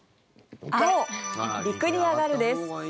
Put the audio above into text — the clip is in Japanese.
青、陸に上がるです。